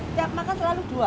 setiap makan selalu dua